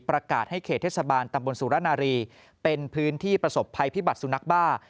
ประกาศให้เขตเทศบาลตำบลสุรนารีเป็นพื้นที่ประสบภัยพิบัตรสุนัขบ้า